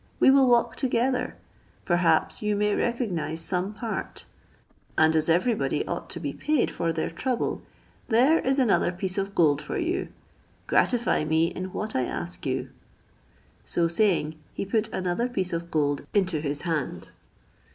We will walk together; perhaps you may recognize some part; and as every body ought to be paid for their trouble, there is another piece of gold for you; gratify me in what I ask you." So saying, he put another piece of gold into his hand.